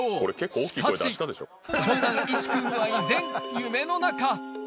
しかし長男の一志くんは依然、夢の中。